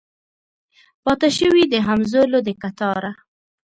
پاته شوي د همزولو د کتاره